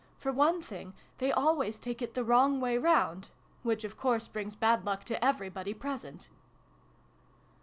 For one thing, they always take it the wrong way round which of course brings bad luck to everybody present